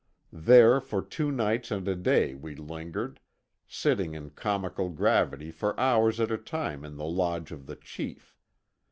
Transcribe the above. There for two nights and a day we lingered, sitting in comical gravity for hours at a time in the lodge of the chief.